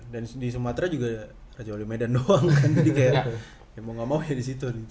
dan di sumatera juga raja wali medan doang kan jadi kayak ya mau ga mau ya disitu gitu